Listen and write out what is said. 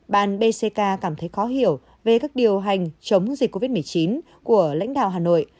ban bc cảm thấy khó hiểu về các điều hành chống dịch covid một mươi chín của lãnh đạo hà nội